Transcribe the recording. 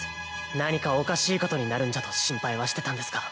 何かおかしいことになるんじゃと心配はしてたんですが。